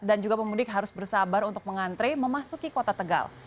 dan juga pemudik harus bersabar untuk mengantre memasuki kota tegal